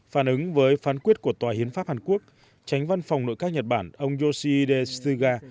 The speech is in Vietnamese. phản ứng với phán quyết của tòa hiến pháp hàn quốc tránh văn phòng nội các nhật bản ông yoshihide suga